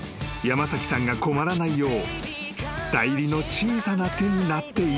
［山崎さんが困らないよう代理の小さな手になっていたのだ］